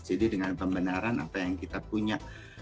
jadi dengan pembenaran apa yang kita punya